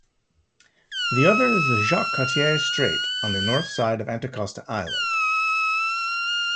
The other is the Jacques Cartier Strait on the north side of Anticosti Island.